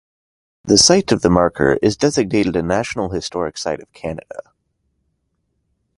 The site of the marker is designated a National Historic Site of Canada.